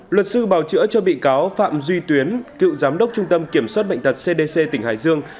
luật sư bào chữa cho bị cáo phạm duy tuyến cựu giám đốc trung tâm kiểm soát bệnh tật cdc tỉnh hải dương